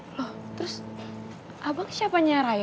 loh terus abang siapanya raya